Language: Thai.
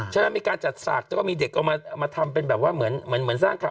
มีการจัดสากแล้วก็มีเด็กเอามาทำเป็นแบบว่าเหมือนสร้างข่าว